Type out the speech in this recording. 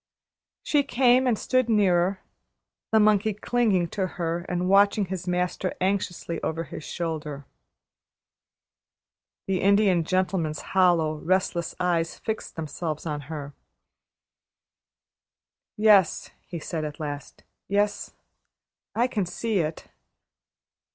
She came and stood nearer, the monkey clinging to her and watching his master anxiously over his shoulder. The Indian Gentleman's hollow, restless eyes fixed themselves on her. "Yes," he said at last. "Yes; I can see it.